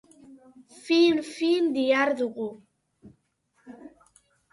Fin-fin dihardugu.